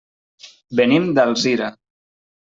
Venim d'Alzira.